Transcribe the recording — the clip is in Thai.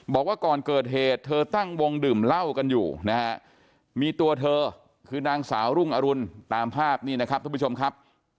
บอกว่าก่อนเกิดเหตุเธอตั้งวงดื่มเหล้ากันอยู่นะฮะมีตัวเธอคือนางสาวรุ่งอรุณตามภาพนี่นะครับท่านผู้ชมครับ